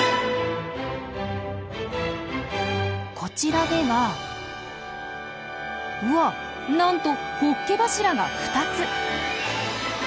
こちらではうわなんとホッケ柱が２つ！